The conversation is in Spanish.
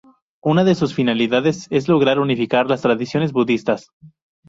Una de sus finalidades es lograr unificar las tradiciones budistas.